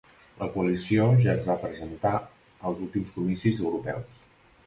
La coalició ja es va presentar als últims comicis europeus